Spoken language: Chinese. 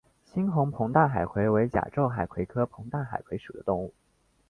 猩红膨大海葵为甲胄海葵科膨大海葵属的动物。